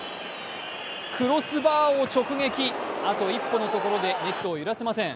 クロスバーを直撃、あと一歩のところでネットを揺らせません。